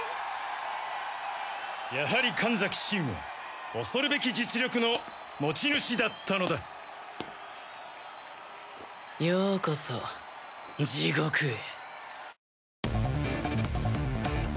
やはり神崎シンは恐るべき実力の持ち主だったのだようこそ地獄へ。